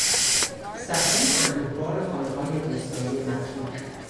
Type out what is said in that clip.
صحنهی اندوهبار خانههای روستایی متروکه